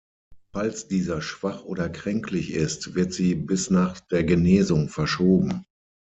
Falls dieser schwach oder kränklich ist, wird sie bis nach der Genesung verschoben.